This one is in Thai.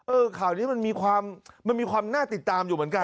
ข่าวนี้มันมีความมันมีความน่าติดตามอยู่เหมือนกัน